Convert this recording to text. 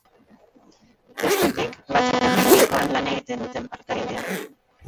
Bestetik, batzorde-teknikoan lan egiten duten partaideak.